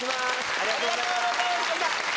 ありがとうございます